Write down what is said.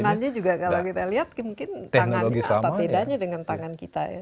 dan tangannya juga kalau kita lihat mungkin apa bedanya dengan tangan kita ya